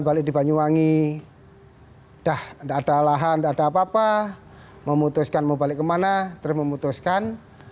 balik di banyuwangi dah ada lahan ada apa apa memutuskan mau balik kemana termemutuskan